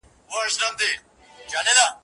ما وعده د بل دیدار درنه غوښتلای